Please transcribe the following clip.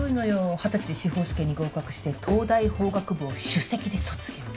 二十歳で司法試験に合格して東大法学部を首席で卒業。